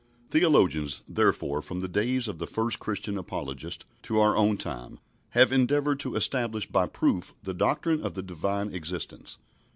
Theologians, therefore, from the days of the first Christian apologists to our own time, have endeavoured to establish by proof the doctrine of the Divine existence.